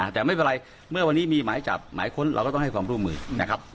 แต่ไม่เป็นไรเมื่อวันนี้มีหมายจับหมายค้นเราก็ต้องให้ความร่วมมือนะครับ